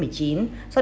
do điều đó